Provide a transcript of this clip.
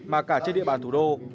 mà cả trên địa bàn thủ đô